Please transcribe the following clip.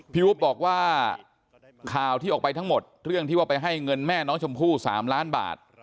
อุ๊บบอกว่าข่าวที่ออกไปทั้งหมดเรื่องที่ว่าไปให้เงินแม่น้องชมพู่๓ล้านบาท